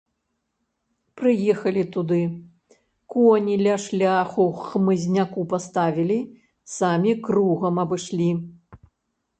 Прыехалі туды, коні ля шляху ў хмызняку паставілі, самі кругам абышлі.